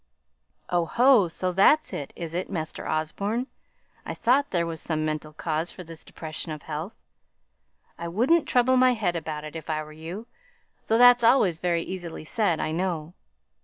"Oho! so that's it, is it, Master Osborne? I thought there was some mental cause for this depression of health. I wouldn't trouble my head about it, if I were you, though that's always very easily said, I know.